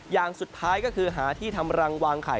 อย่างสุดท้ายก็คือหาที่ทำรังวางไข่